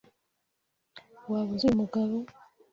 Waba uzi uyu mugabo?